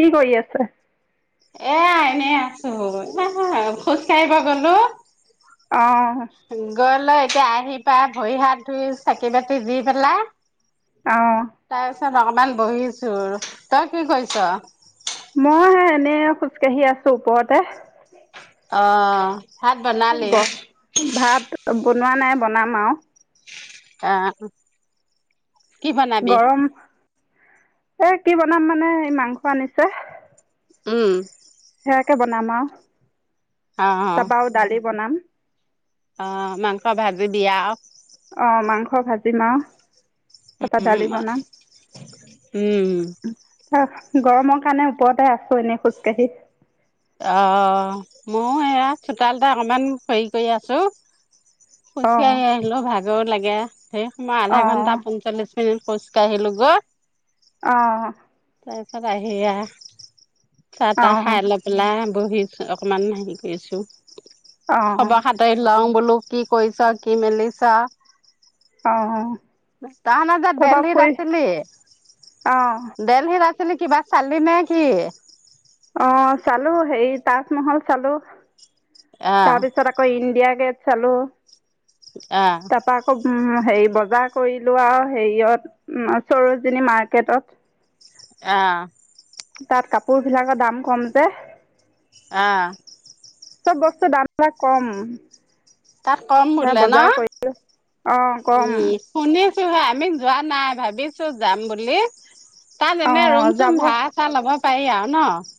কি কৰি আছে। এয়া এনেই আছো হা হা খোজ কাঢ়িব গলো। অ গৈ লৈ এতিয়া আহি পাই ভৰি হাত ধুই চাকি বাতি দি পেলাই। অ। তাৰ পিছত অকমান বহিছো তই কি কৰিছ মই সেই এনেই খোজ কাঢ়ি আছো ওপৰতে। অ। ভাত বনালি গ ভাত বনোৱা নাই বনাম আৰু। অ। কি বনাবি গৰম এই কি বনাম মানে এই মাংস আনিছে। উম। সেয়াকে বনাম আও অ তাৰপৰা আৰু দালি বনাম। অ মাংস ভাজিবি আও। অ মাংস ভাজিম আও। তাৰপৰা দালি উম বনাম উম উম অ গৰমৰ কাৰণে ওপৰতে আছো এনেই খোজকাঢ়ি। অ মইয়ো এয়া চোতালতে অকমান হেৰি কৰি আছো। অ', খোজকাাঢ়ি আহিলো ভাগৰ লাগে ধেৰ সময় আধা অ'। ঘন্টা পঞ্চল্লিছ মিনিট খোজ কাঢ়িলো গৈ। অ তাৰপিছত আহি এইয়া চাহ তাহ অ', খাই অলপ। পেলাই বহিছো অকমান হেৰি কৰিছো অ', খবৰ খা। খাতি লং বোলো কি কৰিছ কি মেলিছ অ অ। তই হেনো যে তাৰপা দিল্লীত ফুৰি আছিলি। অ'। দেল্লীত আছিলি কিবা চালি নে কি? অ' চালোঁ হেৰি তাজমল চালোঁ। আহ তাৰপিছত আকৌ ইণ্ডিয়া গেট চালোঁ। আ। তাপা আকৌ হেৰি বজাৰ কৰিলোঁ আও হেৰিয়ত। উম, চৰজজনী মাৰ্কেটত। অ'। তাত কাপোৰ বিলাকৰ দাম কম যে। আ'। চব বস্তুৰ দাম বিলাক কম। তাত কম সেয়া বোলে বজাৰ ন', কৰিলোঁ অঁ কম উম। শুনিছোঁহে আমি যোৱা নাই ভাবিছোঁ যাম বুলি, তাত এনে অঁ ৰুম চুম যাব ভা চা ল'ব পাৰি আৰু ন'।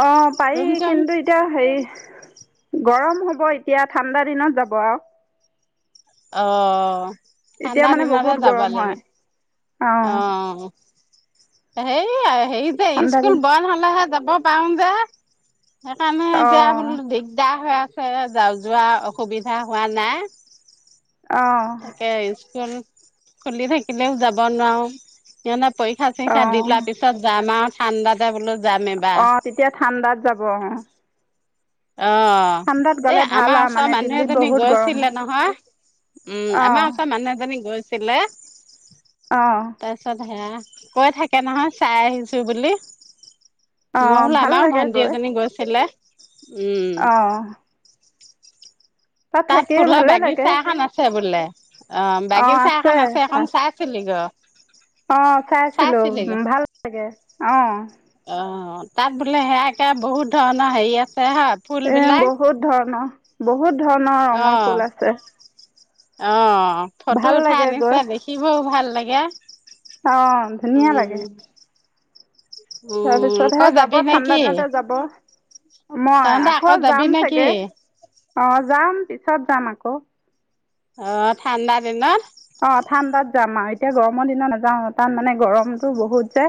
অ' পাৰি ৰুম চুম কিন্তু এতিয়া হেৰি, গৰম হ'ব এতিয়া ঠাণ্ডা দিনত যাব আও। অ'। এতিয়া ঠাণ্ডা মানে দিনতে বহুত যাবা গৰম হয় লাগে, অঁ অ'। হে হেৰি যে, ঠাণ্ডা স্কুল দিন বন হ'লেহে যাব পাৰো যে। সেইকাৰণে এতিয়া বোলো অঁ দিগদাৰ হৈ আছে যা যোৱা অসুবিধা হোৱা নাই। অ'। তাকে, স্কুল খুলি থাকিলেও যাব নোৱাৰোঁ। সিহঁতে পৰীক্ষা চৰীক্ষা দি লোৱা অঁ পিছত যাম আও, ঠাণ্ডাতে বোলো যাম এ অ' তেতিয়া ঠাণ্ডাত যাব অ'। অ' গ'লে এই ভাল আমাৰ আৰু ওচৰৰ মানে মানুহ দিল্লীত এজনী বহুত গৰম গৈছিলে হয় নহয়। উম, অঁ আমাৰ ওচৰৰ মানুহ এজনী গৈছিলে। অ'। তাৰপিছত সেয়া, কৈ থাকে নহয় চাই আহিছোঁ বুলি। মই অঁ বোলো ভাল আমাৰো লাগে ভন্টি গৈ এজনী গৈছিলে। অঁ তাত থাকি ফুলৰ ভালেই লাগে বাগিচা এখন আছে বোলে। অ' বাগিচা এখন আছে, সেইখন চাই চিলি গৈ। অ' চাইছিলোঁ, ভাল লাগে, অ'। অ' তাত বোলে সেয়াকে বহুত ধৰণৰ হেৰি আছে হয়, ফুল এই বিলাক। বহুত ধৰণৰ, বহুত ধৰণৰ অ ৰঙৰ ফুল আছে। অ' ফটো ভাল উঠাই লাগে গৈ আনিছে, দেখিবও ভাল লাগে। অ' ধুনীয়া লাগে। উম উম তাৰপিছতহে আকৌ যাব, যাবি ঠাণ্ডা নেকি দিনতে যাব। মই তহতে আকৌ যাবি যাম নেকি চাগে, অ' যাম পিছত যাম আকৌ। অ' ঠাণ্ডা দিনত। অ' ঠাণ্ডাত যাম আও, এতিয়া গৰমৰ দিনত নাযাওঁ তাত মানে গৰমতো বহুত যে।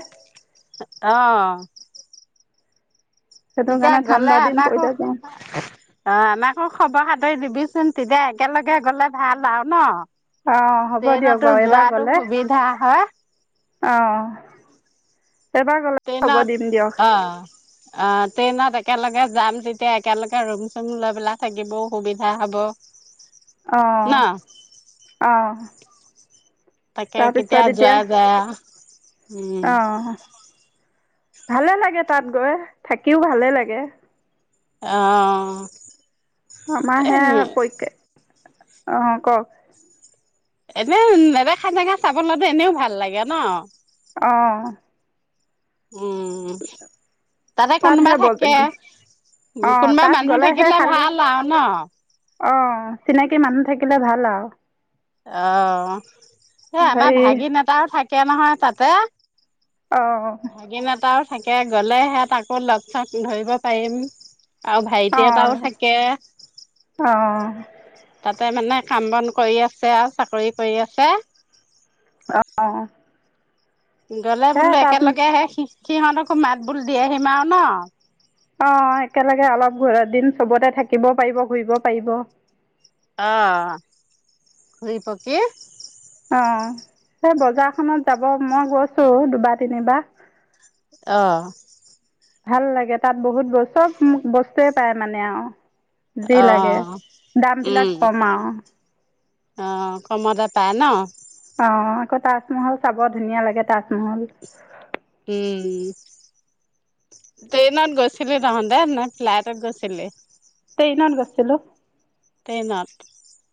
অ'। সেইটো তেতিয়া কাৰণে গ'লে ঠাণ্ডা দিন আমাকো পৰিলে যাম অ' আমাকো খবৰ খাতি দিবিচোন, তেতিয়া একেলগে গ'লে ভাল আৰু ন'। অ হ'ব দিয়ক ট্ৰেনতো বাৰু এবাৰ যোৱাতো গ'লে সুবিধা হয়। অ', এইবাৰ গ'লে ট্ৰেইনত খবৰ দিম দিয়ক। অ'। অ' ট্ৰেইনত একেলগে যাম তেতিয়া একেলগে ৰোম-চুম লৈ পেলাই থাকিবও সুবিধা হ'ব। ন অ', অ'। তাকে কেতিয়া তাৰপিছত যোৱা যায় আৰু উম এতিয়া অ। ভালেই লাগে তাত গৈ, থাকিও ভালেই লাগে। অ'। আমাৰ এ হেয়া পৰিকে অ' কওক। এনেই নেদেখা জেগা চাবলৈটো এনেও ভাল লাগে ন। অ',। উম, তাতে তাত কোনোবা সে ব থাকে? অ কোনোবা তাত মানুহ গ'লেহে থাকিলে খালি ভাল আও ন? অ', চিনাকি মানুহ থাকিলে ভাল আও। অ', সেই আমাৰ হেৰি ভাগিন এটাও থাকে নহয় তাতে। অ',। ভাগিন এটাও থাকে গ'লে হেয়াত তাকো লগ-চগ ধৰিব পাৰিম। আৰু ভাইটি এটাও অ অ থাকে। অঁ তাতে মানে কাম-বন কৰি আছে আও চাকৰি কৰি আছে। অ', অ। গ'লে বোলো একেলগে সেই সি সিহঁতকো মাত-বোল দি আহিম আও ন। অ', একেলগে অলপ ঘুৰ দিন চবতে থাকিবও পাৰিব ঘুৰিব পাৰিব। অ', ঘুৰি-পকি - অ', সেই বজাৰখনত যাব মই গৈছো দুবাৰ তিনিবা। অ',। ভাল লাগে তাত বহুত বস্তু, চব বস্তুয়ে পায় মানে আও। যি অ লাগে দাম বিলাক উম কম আও। অ', কমতে পায় ন? অ', আকৌ তাজমহল চাব ধুনীয়া লাগে তাজমহল। উম। ট্ৰেইনত গৈছিলি তহঁতে নে ফ্লাইটত গৈছিলি? ট্ৰেইনত গৈছিলোঁ। ট্ৰেইনত?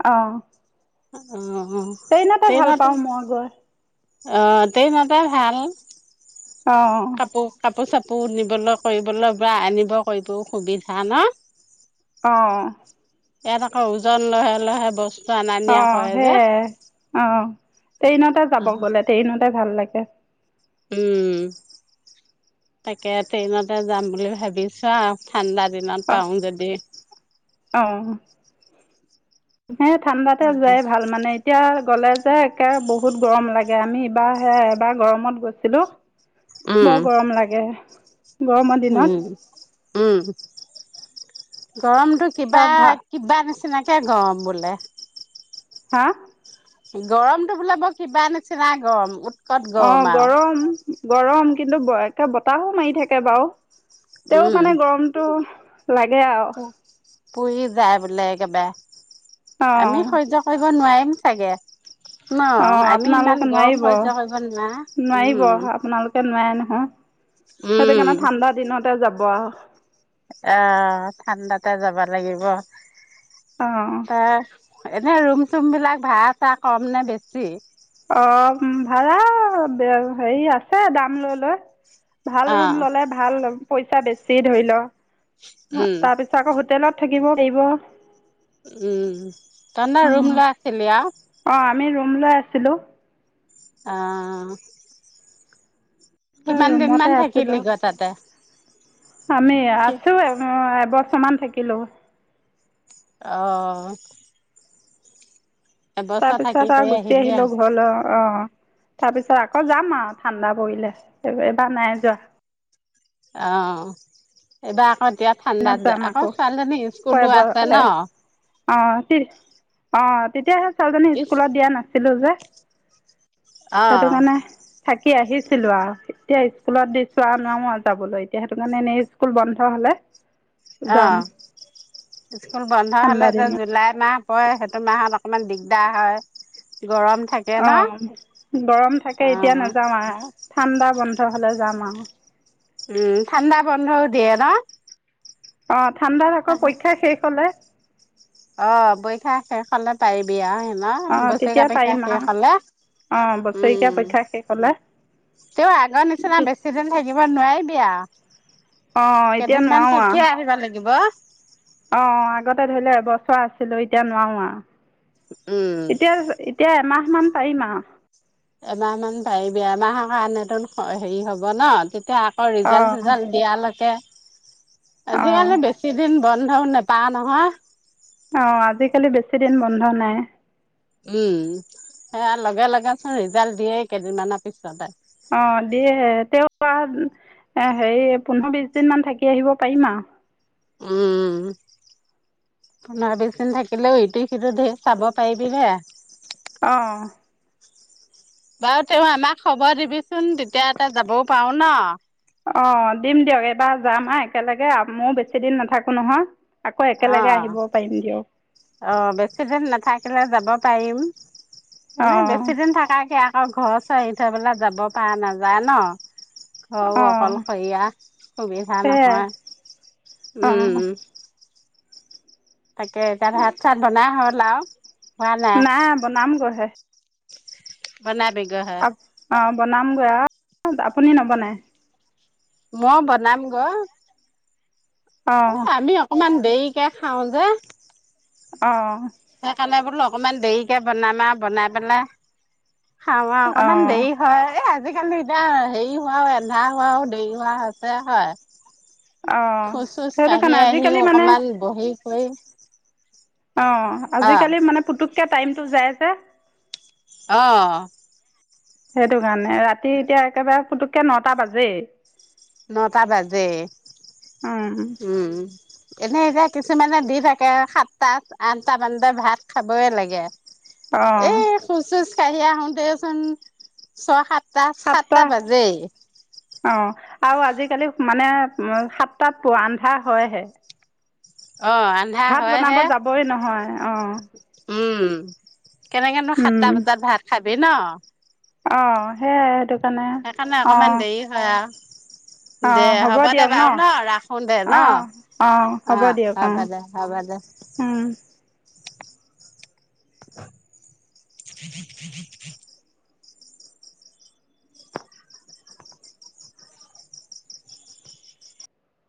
অ',। অ',। ট্ৰেইনতে ভাল পাওঁ মই গৈ। অ', ট্ৰেইনতে ভাল। অ',। কাপোৰ, কাপোৰ-চাপোৰ নিবলৈ কৰিবলৈ বা আনিব কৰিবোও সুবিধা ন? অ', অ। ইয়াত আকৌ ওজন লহে লহে বস অ' সেইয়াই, অ' ট্ৰেইনতে যাব গ'লে ট্ৰেইনতে ভাল লাগে। উম তাকে, ট্ৰেইনতে যাম বুলি ভাবিছো আও। ঠাণ্ডা দিনত অ পাওং যদি। অ। সেই ঠাণ্ডাতে যোৱাই ভাল মানে - এতিয়া গ'লে যে একে বহুত গৰম লাগে। আমি ইবাৰ হে এবাৰ গৰমত গৈছিলো - ব গৰম লাগে। গৰমৰ দিনত উম, উম। গৰমটো কিবা তাৰ ভা কিবা নিচিনাকে গৰম বোলে। হা। গৰমটো বোলা বৰ কিবা নিচিনা গৰম। উৎকট অ', আৰু। গৰম, গৰম কিন্তু একে বতাহো মাৰি থাকে বাৰু। তেও উম, মানে গৰমতটো লাগে আৰু। পুহি যায় বোলে অ একবাৰে আমি সহ্য [unintelligible] নোৱাৰিম চাগে ন অ আমি আপোনালোকে ইমান গৰম নোৱাৰিব সহ্্য কৰিব নোৱাৰা উম, ফেন নাই নহয়, সেইটো উম, কাৰণে ঠাণ্ডা দিনতে যাব আৰু অ', ঠাণ্ডাতে যাব লাগিব। অ', এনেই ৰুম চুমবিলাক ভাড়া চা কম নে বেছি? অ' ভাড়া হেৰি আছে দাম লৈ লৈ ভাল অ ৰুম ললে ভাল পইচা বেছি ধৰি ল উম তাৰপিছত আকৌ হোটেলত থাকিব [unintelligible] উম, [unintelligible] ৰুম লৈ আছিলি আৰু অ' আমি ৰুম লৈ আছিলোঁ। [unintelligible] কিমান দিন ৰুমতে মান থাকিলি আছিলোঁ গ তাতে? আমি আছোঁ এবছৰমান থাকিলোঁ। অ', তাৰ এবছৰ থাকি পিছত কৰি আৰু গুচি আহিলি আহিলো আৰু ঘৰলৈ অ তাৰ পিছত আকৌ যাম আৰু ঠাণ্ডা পৰিলে এবাৰ নাই যোৱা। অ' এইবাৰ আকৌ এতিয়া দিনত ঠাণ্ডাত যাম আকৌ ছোৱালীজনী স্কুলো আছে ন? অ' অ' তেতিয়াহে ছোৱালীজনী ইচ স্কুলত দিয়া নাছিলোঁ যে [unintelligible] অ সেইটো কাৰণে থাকি আহিছিলোঁ আৰু এতিয়া স্কুলত দিছোঁ নোৱাৰো আৰু যাবলৈ এতিয়া সেইটো কাৰণে এনেই স্কুল বন্ধ হ'লে [inaudible] অ' স্কুল বন্ধ হলে ঠাণ্ডা যে দিনত জুলাই মাহ [unintelligible] সেইটো মাহত অকনমান দিগদাৰ হয় গৰম থাকে। ন? অ' গৰম থাকে অ এতিয়া নাযাওঁ [unintelligible] ঠাণ্ডা বন্ধ হ'লে যাম আৰু। উম, ঠাণ্ডা বন্ধও দিয়ে ন? অ' ঠাণ্ডাত আকৌ পৰীক্ষা শেষ হ'লে অ' বৈশাখ শেষলে তাইৰ বিয়া হয় ন? অঁ বচৰে তেতিয়া কাপেকা পাৰিম আৰু শেষ হলে অঁ বছৰেকীয়া উম, পৰীক্ষা শেষ হ'লে তেওঁ আগৰ নিচিনা বেছি দিন থাকিব নোৱাৰিবি অঁ এতিয়া কেইদিনমান নোৱাৰোঁ থাকিয়ে আহিব লাগিব। অ' আগতে ধৰি লও এবছৰ আছিলো এতিয়া নোৱাৰো উম আৰু এতিয়া [unintelligible] এমাহমান পাৰিম আৰু এমাহ মান পাৰিবি এমাহৰ কাৰণত হেৰি হব ন তেতিয়া ৰিজালট অঁ চিজাল্ট দিয়ালৈকে অঁ আজিকালি সিদিন বন্ধও নেপা নহয়। অ', আজিকালি বেছিদিন বন্ধ নাই। উম সেয়া, লগে লগেচোন ৰিজাল্ট দিয়ে কেইদিনমানৰ পিছতে। অ' দিয়ে তেওঁ হেৰি পোন্ধৰ বিশ দিন মান থাকি আহিব পাৰিম আৰু। উম। পোন্ধৰ বিছ দিন থাকিলেও ইটো সিটো ধেৰ চাব পাৰিবি হে। অ' বাৰু তেওঁ আমাক খবৰ দিবিচোন তেতিয়া এটা যাবও পাৰো ন। অ' দিম দিয়ক এইবাৰ যাম আৰু একেলগে ময়ো বেছি দিন নাথাকো নহয়। আকৌ একেলগে আহিব অ' পাৰিম দিয়ক অ' বেছিদিন নাথাকিলে যাব পাৰিম। এনে অঁ বেছি দিন থাকাকে আকৌ ঘৰ চ এই থৈ পেলাই যাব পৰা নাযায় ন। ঘৰ অঁ অকল সৰীয়া সুবিধা সেয়াই নহয় উ, অঁ - উ তাকে এতিয়া ভাত চাত বনাই হ'ল আও। নাই বনাম গৈহে। বনাবি গৈহে। অ' বনামগৈ আও আপুনি নবনায়? ম বনাম গৈ। অ'। আমি অকমান দেৰিকে খাও যে। অ'। সেইকাৰণে বোলো অকনমান দেৰিকে বনাম আৰু বনাই পেলাই - খাৱা অকমান অঁ দেৰি হয় আজি। আজিকালি এতিয়া হেৰি হোৱাও এন্ধা হোৱাও দেৰি হোৱা আছে হয়। অঁ খোজ চোজ সেইটো কাঢ়ি কাৰণে আজিকালি আহিও মানে অকমান বহি কৰি - অ' আজিকালি মানে পুতুককে টাইমটো যায় যে - অ'। হেইটো কাৰণে ৰাতি এতিয়া একেবাৰে পুতুককে নটা বাজেই। নটা বাজেই অঁ উ। এনে এতিয়া কিছুমানে দি থাকে সাতটা আঠটা মানতে ভাত খাবয়ে লাগে। অ'। খোচ চোজ কাঢ়ি আহোটে চোন ছয়, সাতটা, সাতটা বাজেই। অ' আও আজিকালি মানে সাতটাত আন্ধা হয়হে। অ, আন্ধা ভাত বনাব হয়হে যাবই নহয় অ' উম কেনেকেনো সাতটা বজাত ভাত খাবি ন। অ' হেয়াইটো। হেকাৰণে অকমান দেৰি হয় আও। দে হ'ব দে বাৰু ন ৰাখো দে ন অঁ অঁ হ'ব অ দিয়ক হ'ব দে। হ'ব দে। অঁ [inaudible]